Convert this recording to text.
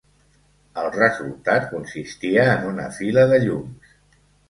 El resultat consistia en una fila de llums.